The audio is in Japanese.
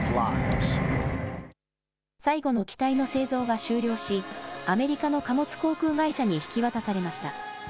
最後の機体の製造が終了し、アメリカの貨物航空会社に引き渡されました。